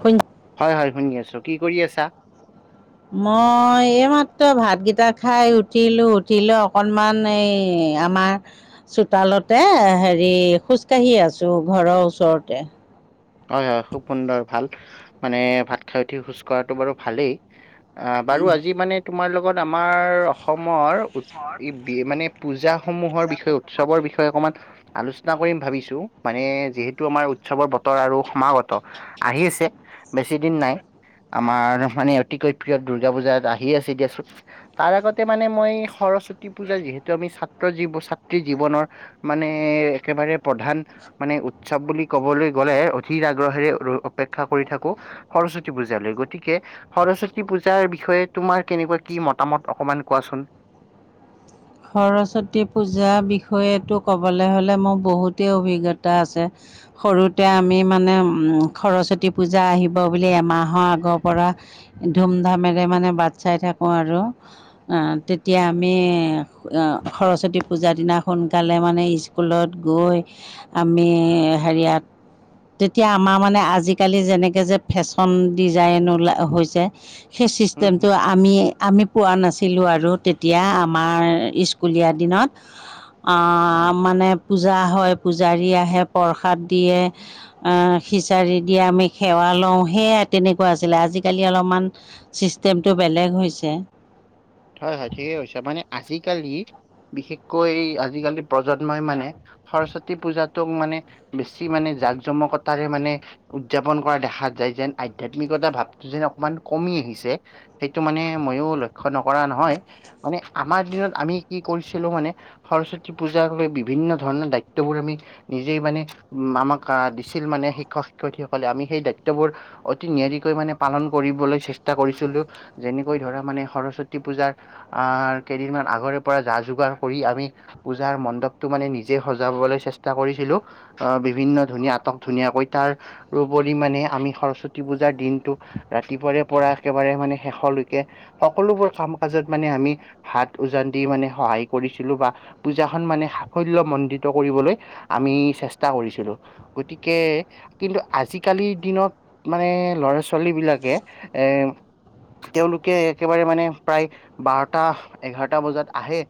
শুনিছা? হয় হয়, শুনি আছোঁ, কি কৰি আছা? মই, এইমাত্ৰ ভাতকেইটা খাই উঠিলোঁ উঠিলো, উঠিলৈ অকণমান এই - আমাৰ চোতালতে হেৰি খোজকাঢ়ি আছোঁ ঘৰৰ ওচৰতে। হয় হয়, খুব সুন্দৰ ভাল মানে ভাত খাই উঠি খোজ কঢ়াটো বাৰু ভালেই। আহ বাৰু আজি মানে তোমাৰ লগত আমাৰ অসমৰ- উম বি মানে পূজা সমূহৰ বিষয়ে উৎসৱৰ বিষয়ে অকণমান আলোচনা- চনা কৰিম ভাবিছো মানে যিহেতু আমাৰ উৎসৱৰ ব- তৰ আৰু সমাগত আহি আছে বেছি দিন নাই। আমাৰ মানে, অতিকৈ প্ৰিয় দুৰ্গা পূজাত আহি আছে দিয়াচোন। তাৰ আগতে মানে মই সৰস্বতী পূজা, যিহেতু আমি ছাত্ৰ জীৱ, ছাত্ৰী জীৱনৰ - মানে একেবাৰে প্ৰধান মানে উৎসৱ বুলি ক'বলৈ - গলে অধিক আগ্ৰহেৰে অপেক্ষা কৰি থাকো সৰস্বতী পূজালৈ, গতিকে - সৰস্বতী পূজাৰ বিষয়ে তোমাৰ কেনেকুৱা কি মতামত অকমান কোৱাচোন? সৰস্বতী পূজাৰ বিষয়েটো ক'বলে হ'লে মোৰ বহুতেই অভিজ্ঞতা আছে। সৰুতে আমি মানে সৰস্বতী পূজা আহিব বুলি এমাহৰ আগৰ পৰা - ধুমধামেৰে মানে বাট চাই থাকোঁ আৰু তেতিয়া আমি - অ', সৰস্বতী পূজাৰ দিনা সোনকালে, মানে, স্কুলত গৈ আমি হেৰিয়াত তেতিয়া আমাৰ, মানে, আজিকালি যেনেকে যে ফেশ্বন ডিজাইন ওলা হৈছে সেই চিষ্টেমটো আমি আমি পোৱা নাছিলোঁ আৰু তেতিয়া আমাৰ স্কুলীয়া দিনত, অ', মানে পূজা হয়, পূজাৰী আহে, প্ৰসাদ দিয়ে। অ', খিচাৰি দিয়ে, আমি সেৱা লওঁ, সেয়াই তেনেকুৱা আছিলে, আজিকালি অলপমান ছিষ্টেমটো বেলেগ হৈছে। হয় হয়, ঠিকেই কৈছে, মানে আজিকালি, বিশেষকৈ আজিকালি প্ৰজন্মই, মানে সৰস্বতী পূজাটোক, মানে, বেছি, মানে, জাক জমকতাৰে মানে উদযাপন কৰা দেখা যায়, যেন আধ্যাত্মিকতা ভাৱটো যেন অকমান কমি আহিছে। সেইটো মানে, ময়ো লক্ষ্য নকৰা নহয়, মানে আমাৰ দিনত আমি কি কৰিছিলোঁ মানে সৰস্বতী পূজাক লৈ বিভিন্ন ধৰণৰ দায়িত্ববোৰ আমি নিজেই, মানে, আমাক দিছিল, মানে শিক্ষক শিক্ষয়িত্ৰীসকলে, আমি সেই দায়িত্ববোৰ অতি নিয়াৰিকৈ, মানে, পালন কৰিবলৈ চেষ্টা কৰিছিলোঁ, যেনেকৈ ধৰা, মানে সৰস্বতী পূজাৰ, আহ, কেইদিনমান আগৰে পৰা যা যোগাৰ কৰি আমি পূজাৰ মণ্ডপটো, মানে, নিজে সজাবলৈ চেষ্টা কৰিছিলো। অ', বিভিন্ন ধুনীয়া, আটক ধুনীয়াকৈ, তাৰ উপৰি মানে আমি সৰস্বতী পূজাৰ দিনটো ৰাতিপুৱাৰে পৰা একেবাৰে, মানে, শেষলৈকে সকলোবোৰ কাম কাজত, মানে, আমি হাত উজান দি, মানে, সহায় কৰিছিলোঁ বা পূজাখন, মানে, সাফল্যমণ্ডিত কৰিবলৈ আমি চেষ্টা কৰিছিলোঁ। গতিকে কিন্তু আজিকালিৰ দিনত, মানে, লৰা ছোৱালীবিলাকে এ তেওঁলোকে একেবাৰে, মানে, প্ৰায় বাৰটা এঘাৰটা বজাত আহে।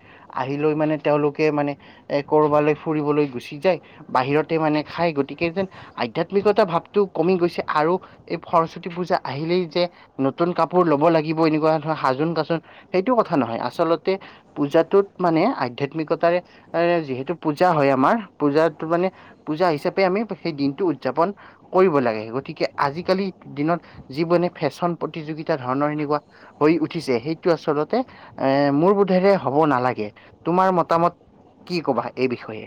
আহিলেই, মানে, তেওঁলোকে, মানে, এ কৰবালৈ ফুৰিবলৈ গুচি যায়। বাহিৰতে, মানে, খাই, গতিকে যেন আধ্যাত্মিকতাৰ ভাৱটো কমি গৈছে আৰু এই সৰস্বতী পূজা আহিলেই যে নতুন কাপোৰ লব লাগিব, এনেকুৱা ধৰণৰ সাজোন কাচোন সেইটো কথা নহয় আচলতে পূজাটোত, মানে, আধ্যাত্মিকতাৰে, যিহেতু পূজা হয়, আমাৰ পূজাটো মানে পূজা হিচাপে আমি সেই দিনটো উদযাপন কৰিব লাগে গতিকে আজিকালিৰ দিনত যিবোৰ ফেশ্বন প্ৰতিযোগিতা ধৰণৰ এনেকুৱা হৈ উঠিছে সেই আচলতে এ মোৰ বোধেৰে হ'ব নালাগে তোমাৰ মতামত কি কবা এই বিষয়ে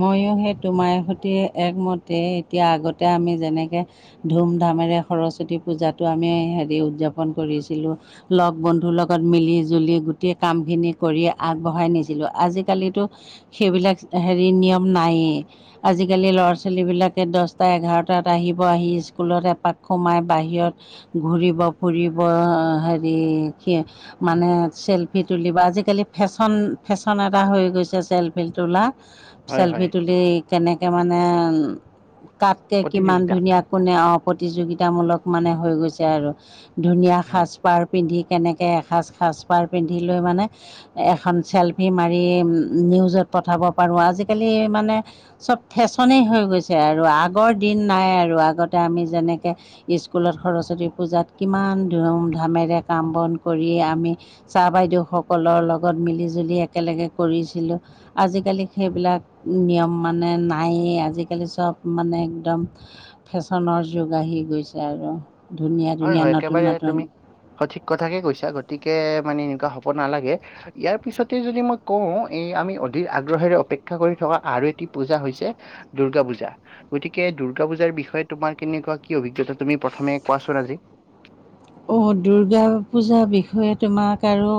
ময়ো সেই তোমাৰ সৈতে একমতে এতিয়া আগতে আমি যেনেকৈ ধুমধামেৰে সৰস্বতী পূজাটো আমি হেৰি উদযাপন কৰিছিলোঁ লগ বন্ধুৰ লগত মিলি জুলি গোটেই কামখিনি কৰি আগবঢ়াই নিছিলো আজিকালিতো সেইবিলাক হেৰি নিয়ম নায়েই আজিকালি ল'ৰা ছোৱালী বিলাকে দছটা এঘাৰটাত আহিব আহি স্কুলত এপাক সোমাই, বাহিৰত ঘূৰিব ফুৰিব হেৰি কি মানে, চেলফি তুলিব, আজিকালি ফেশ্বন, ফেশ্বন এটা হৈ গৈছে চেলফি তোলা। হয় হয় চেলফি তুলি কেনেকে মানে, কাতকে কিমান প্ৰতিযোগিতা ধুনীয়া কোনে অ প্ৰতিযোগিতামূলক মানে হৈ গৈছে আৰু ধুনীয়া হয় সাজ পাৰ পিন্ধি কেনেকৈ এসাঁজ সাজপাৰ পিন্ধি লৈ মানে এখন চেলফি মাৰি নিউজত পঠাব পাৰো আজিকালি মানে চব ফেশ্বনে হৈ গৈছে আৰু আগৰ দিন নাই আৰু আগতে আমি যেনেকে স্কুলত সৰস্বতী পূজাত কিমান ধুমধামেৰে কাম বন কৰি আমি ছাৰ বাইদেউ সকলৰ লগত মিলি জুলি একেলগে কৰিছিলো আজিকালি সেইবিলাক নিয়ম মানে নায়েই আজি কালি চব মানে একদম ফেশ্বনৰ যুগ আহি গৈছে আৰু ধুনীয়া হয় ধুনীয়া হয় নতুন একেবাৰে তুমি নতুন সঠিক কথাকে কৈছা গতিকে মানে এনেকুৱা হ'ব নালাগে। ইয়াৰ পিছতে যদি মই কওঁ এই আমি অধিক আগ্ৰহেৰে অপেক্ষা কৰি থকা আৰু এটি পূজা হৈছে। দূৰ্গা পূজা গতিকে দূৰ্গা পূজাৰ বিষয়ে তোমাৰ কেনেকুৱা কি অভিজ্ঞতা তুমি প্ৰথমে কোৱাচোন। [unintelligible] ৰাজি অ দূৰ্গা পূজাৰ বিষয়ে তোমাক আৰু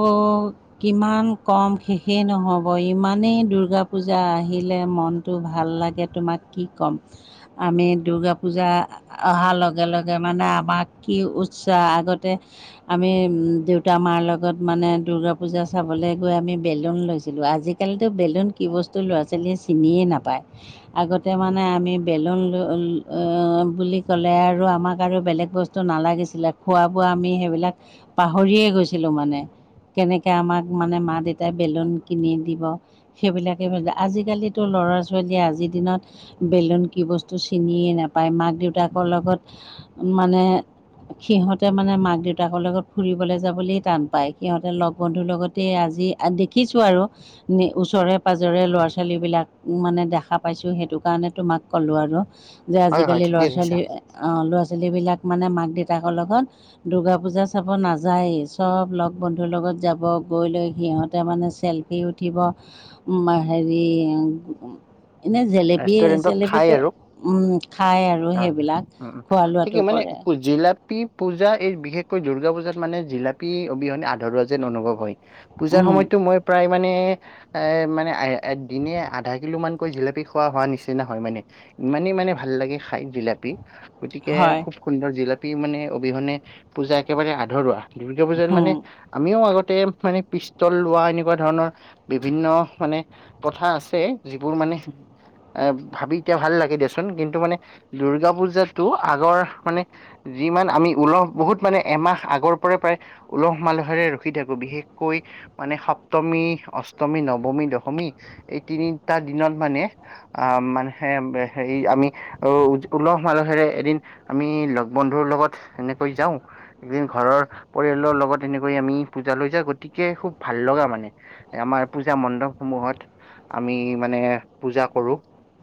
কিমান কম শেষেই নহ'ব ইমানেই দূৰ্গা পূজা আহিলে মন তো ভাল লাগে তোমাক কি ক'ম। আমি দুৰ্গা পূজা অহাৰ লগে লগে মানে আমাক কি উৎস চোৱা আগতে আমি দেউতা মাৰ লগত মানে দুৰ্গা পূজা চাবলৈ গৈ আমি বেলুন লৈছিলোঁ আজি আজি কালিতো বেলুন কি বস্তু ল'ৰা-ছোৱালীয়ে চিনিয়ে নাপায়। আগতে মানে আমি বেলুন বুলি ক'লে আৰু আমাক আৰু বেলেগ বস্তু নালাগিছিলে খোৱা বোৱা আমি সেইবিলাক পাহৰিয়ে গৈছিলো মানে। কেনেকে আমাক মানে মা দেউতাই বেলুন কিনি দিব। সেইবিলাকে আজিকালিতো ল'ৰা-ছোৱালীয়ে আজিৰ দিনত বেলুন কি বস্তু চিনিয়ে নাপায় মাক দেউতাকৰ লগত মানে সিহঁতে মানে মাক দেউতাকৰ লগত ফুৰিবলে যাবলৈ টান পায় সিহঁতে লগ বন্ধুৰ লগতেই আজি দেখিছো আৰু ওচৰে পাজৰে ল'ৰা ছোৱালী বিলাক মানে দেখা পাইছো সেইটো কাৰণে তোমাক ক'লো আৰু যে হয় হয় আজিকালি ঠিকে কৈছা ল'ৰা-ছোৱালী ল'ৰা-ছোৱালীবিলাক মানে মাক দেউতাকৰ লগত দুৰ্গা পূজা চাব নাযায়েই চব লগ বন্ধুৰ লগত যাব গৈ লৈ সিহঁতে মানে চেল সি উঠিব হেৰি এনেই জেলেপি ৰেষ্টুৰেন্টত খাই চেলেপীটো আৰু উম খাই আৰু হয় হয়। সেইবিলাক উম উম খোৱা ঠিকেই লোৱাটো মানে কৰে। পু- জিলাপি পূজা এই বিশেষকৈ দূৰ্গা পূজাত মানে জিলাপী অবিহনে আধৰুৱা যেন অনুভৱ হয়। পূজাৰ উম। সময়তটো মই প্ৰায় মানে এ মানে দিনে আধা কিলো মানকৈ জিলাপি খোৱা হোৱা নিচিনা হয় মানে, ইমানেই মানে ভাল লাগে খাই জিলাপী গতিকে হয় খুব সুন্দৰ জিলাপি মানে অবিহনে পূজা একেবাৰে আধৰুৱা দূৰ্গা পূজাত হুম, মানে আমিও আগতে মানে পিষ্টল লোৱা এনেকুৱা ধৰণৰ বিভিন্ন মানে প্ৰথা আছে যিবোৰ মানে এ ভাবি কে ভাল লাগে দেচোন কিন্তু মানে দুৰ্গা পূজাতটো আগৰ মানে যিমান আমি ওলাও বহুত মানে এমাহ আগৰ পৰা প্ৰায় উলহ মালহেৰে ৰখি থাকো বিশেষকৈ মানে সপ্তমী অষ্টমী নৱমী দশমী এই তিনিটা দিনত মানে আ মানহে হেৰি আমি আৰু উলহ মালহেৰে এদিন আমি লগ বন্ধুৰ লগত এনেকৈ যাওঁ। এদিন ঘৰৰ পৰিয়ালৰ লগত এনেকৈয় আমি পূজা লৈ যা গতিকে খুব ভাল লগা মানে। আমাৰ পূজা মণ্ডপ সমূহত আমি মানে পূজা কৰোঁ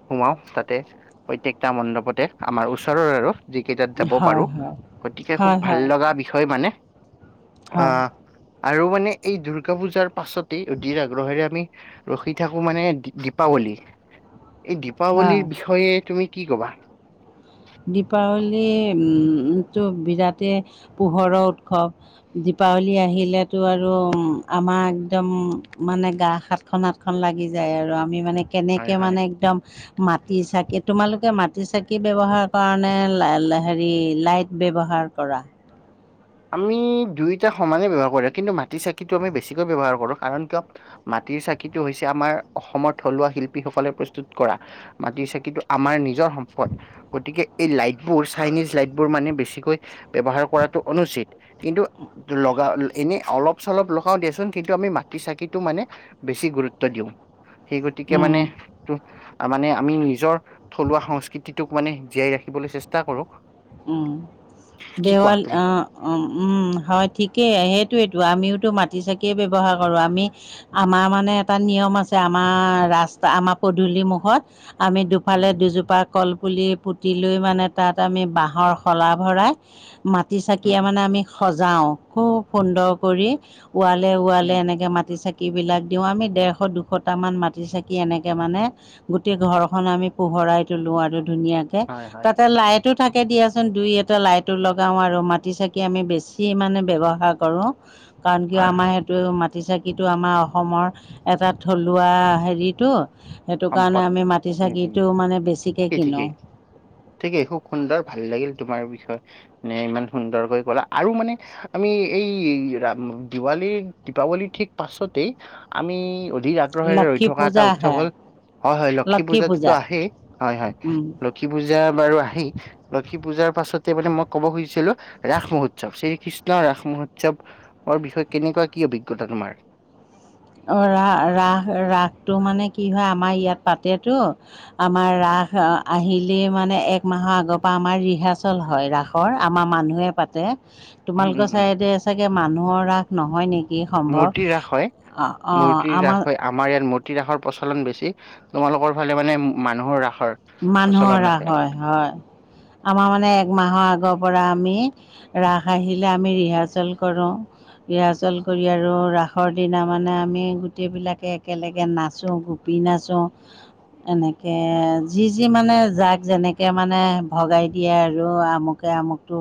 সোমাও তাতে প্ৰত্যকটা মণ্ডপতে আমাৰ ওচৰৰ আৰু যিকেইটাত যাব হয় পাৰো হয় গতিকে খুব হয় ভাল হয় লগা বিষয় মানে। হয় আহ আৰু মানে এই দুৰ্গা পূজাৰ পাছতেই অধিৰ আগ্ৰহেৰে আমি ৰখি থাকো মানে দি দীপাৱলী এই হয় দীপাৱলীৰ বিষয়ে তুমি কি কবা দীপাৱলী উম টো বিৰাটে পোহৰৰ উৎসৱ দীপাৱলী আহিলেতো আৰু উম আমাৰ একদম মানে গা হাত খন হাতখন লাগি যায় আৰু আমি মানে হয় কেনেকে হয় মানে একদম মাটি চাকি তোমালোকে মাটি চাকি ব্যৱহাৰ কৰানে লা লা হেৰি লাইট ব্যৱহাৰ কৰা আমি দুয়োটা সমানে ব্যৱহাৰ কৰে কিন্তু মাটি চাকিটো আমি বেছিকৈ ব্যৱহাৰ কৰোঁ কাৰণ কিয় মাটিৰ চাকিটো হৈছে আমাৰ অসমৰ থলুৱা শিল্পীসকলে প্ৰস্তুত কৰা মাটি চাকিটো আমাৰ নিজৰ সম্পদ গতিকে এই লাইট বো চাইনিজ লাইট বোৰ মানে বেছিকৈ ব্যৱহাৰ কৰাটো অনুচিত কিন্তু লগা এনে অলপ চলপ লগাও দিয়াচোন কিন্তু আমি মাটি চাকিটো মানে বেছি গুৰুত্ব দিওঁ সেই গতিকে উম, মানে টো আ মানে আমি নিজৰ থলুৱা সংস্কৃতিটোক মানে জীয়াই ৰাখিবলে চেষ্টা কৰো উম কি কোৱা দেৱাল তুমি আ অ উম হয় ঠিকেই সেইটোয়েতো আমিওতো মাটি চাকিয়ে ব্যৱহাৰ কৰো আমি আমাৰ মানে এটা নিয়ম আছে আমাৰ ৰাচ আমাৰ পদূলি মুখত আমি উম দুফালে দুজোপা কলপুলি পুতি লৈ মানে তাত আমি বাঁহ হৰ শলা ভৰাই মাটি উম চাকিয়ে উম মানে আমি সজাওঁ খুব সুন্দৰ কৰি ওৱালে ওৱালে উম এনেকে মাটি চেক কিবিলাক দিওঁ আমি ডেৰশ দুশটামান মাটি চাকি এনেকে মানে গোটেই ঘৰখন আমি পোহৰাই তলো আৰু ধুনীয়াকে হয় হয় তাতে লাইটো থাক কে দিয়াচোন দুই এটা লাইটো লগাও আৰু মাটি চাকি আমি বেছি মানে ব্যৱহাৰ কৰো কাৰণ কিয় হয় আমাৰ হয় হেত টো মাটি চাকিটো আমাৰ অসমৰ এটা থলুৱা হেৰিটো সেইটো কাৰণে সম্পদ আমি মাটি উম উম চাকিটো মানে বেছিকে ঠিকেই কিনো ঠিকেই ঠিকেই খুব সুন্দৰ ভাল লাগিল তোমাৰ বিষয়ে মানে ইমান সুন্দৰকৈ ক'লা আৰু মানে আমি এই ৰা দিৱালীৰ দীপাৱলী ঠিক পাছতেই আমি দি আগ্ৰহেৰে ৰৈ লক্ষী থকা পূজা এটা উৎসৱ আহে হ'ল হয় হয় লক্ষী পূজাতোটো আহেই হয় হয় উম লক্ষী পূজা বাৰু আহেই লক্ষী পূজাৰ পাছতে মানে মই ক'ব খুজিছিলো ৰাস মহোৎসৱ শ্ৰীকৃষ্ণ ৰাস মহোৎসৱ অৰ বিষয়ে কেনেকুৱা কি অভিজ্ঞতা তোমাৰ অ ৰা ৰাস ৰাসটো মানে কি হয় আমাৰ ইয়াত পাতেতো আমাৰ ৰাস অ আহিলেই মানে এক মাহৰ আগৰ পা আমাৰ ৰিহাৰ্চল হয় ৰাস কৰ আমাৰ মানুহে পাতে উম উম তোমালোকৰ উম চাইদে চাগে মানুহৰ ৰাস নহয় নেকি মূৰ্তি সম্ভৱ ৰাস হয় অঁ অঁ মূৰ্তি আমাৰ ৰাস হৈ আম মাৰ ইয়াত মূৰ্তি ৰাসৰ প্ৰচলন বেছি তোমালোকৰ ফালে মানে উম মানুহৰ ৰাসৰ মানুহৰ প্ৰচলন ৰাস আছে হয় হয় আমাৰ মানে একমাহৰ আগৰ পৰা আমি ৰাস আহিলে আমি ৰিহাৰ্চেল কৰোঁ ৰিহাৰ্চল কৰি আৰু ৰাসৰ দিনা মানে আমি গোটেইবিলাকে একেলেগে নাচো গো পি নাচো এনেকে যি যি মানে জাক যেনেকে মানে ভগাই দিয়ে আৰু আমুকে আমুকটো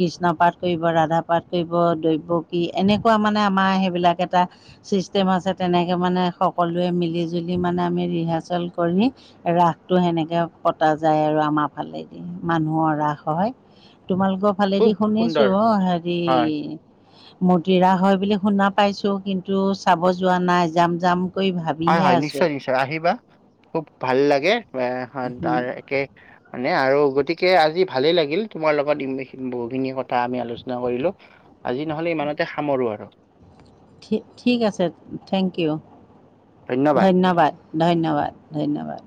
কৃষ্ণ পাঠ কৰিব ৰাধা পাঠ কইব দৈৱকী এনেকুৱা মানে আমাৰ সেইবিলাক এটা ছিষ্টেম আছে তেনেকৈ মানে সকলোৱে মিলি জুলি মানে আমি ৰিহাৰ্চেল কৰি ৰাখ তো সেনেকে আৰু পতা যায় আৰু আমাৰ ফালেদি মানুহৰ ৰাস হয় তোমালোকক খুব ভালেদি শুনিছো সুন্দৰ অ হেৰি হয় মতিৰা হয় বুলি শুনা পাইছো কিন্তু চাব যোৱা নাই জাম জাম হয় হয় নিশ্চয় নিশ্চয় আহিবা খুব ভাল লাগে এ তাৰ একে মানে আৰু গতিকে আজি ভালেই লাগিল তোমাৰ লগত বহুখিনি কথা আমি আলোচনা কৰিলো আজি নহ'লে ইমানতে সামৰোঁ আৰু ঠিক আছে থেংক ইউ ধন্যবাদ ধন্যবাদ ধন্যবাদ